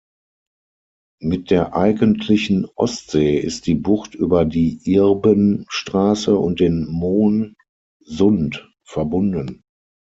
Mit der eigentlichen Ostsee ist die Bucht über die Irben-Straße und den Moon-Sund verbunden.